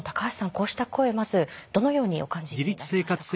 こうした声をまずどのようにお感じになりましたか？